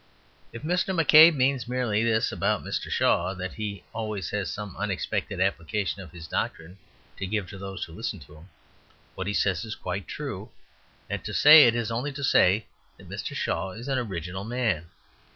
If Mr. McCabe means merely this about Mr. Shaw, that he always has some unexpected application of his doctrine to give to those who listen to him, what he says is quite true, and to say it is only to say that Mr. Shaw is an original man.